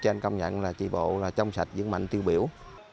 thì anh công nhận là chi bộ là trong sạch dẫn mạnh tiêu biểu